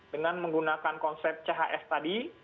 dengan menggunakan konsep chs tadi